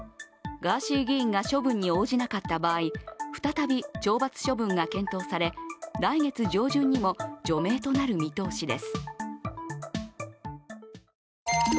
ガーシー議員が処分に応じなかった場合、再び懲罰処分が検討され来月上旬にも除名となる見通しです。